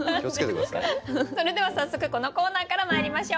それでは早速このコーナーからまいりましょう。